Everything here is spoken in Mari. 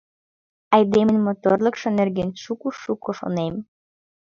Айдемын моторлыкшо нерген шуко-шуко шонем...